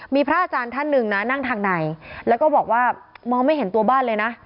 มีพระอาจารย์ท่านหนึ่งนะนั่งทางในแล้วก็บอกว่ามองไม่เห็นตัวบ้านเลยนะ